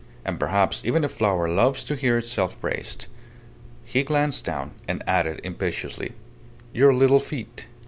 And perhaps even a flower loves to hear itself praised. He glanced down, and added, impetuously "Your little feet!"